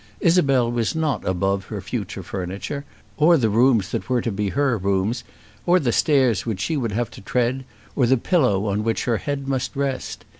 Isabel was not above her future furniture, or the rooms that were to be her rooms, or the stairs which she would have to tread, or the pillow on which her head must rest.